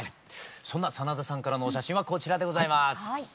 そんな真田さんからのお写真はこちらでございます。